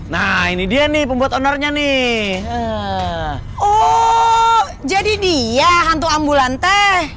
nah ini dia nih pembuat onernya nih oh jadi dia hantu ambulante